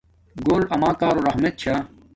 گھور اما کارو رحمت چھا